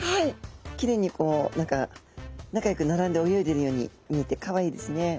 きれいにこう何か仲良く並んで泳いでいるように見えてかわいいですね。